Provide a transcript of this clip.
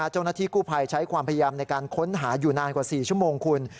เจ้าหน้าที่กู้ภัยใช้ความพยายามในการค้นหาอยู่นานกว่า๔ชั่วโมงคุณ